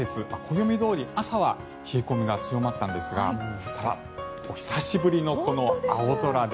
暦どおり朝は冷え込みが強まったんですがただ、久しぶりのこの青空で。